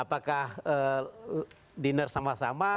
apakah diner sama sama